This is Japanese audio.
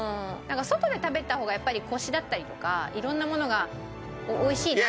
外で食べた方がやっぱりコシだったりとか色んなものが美味しいなって。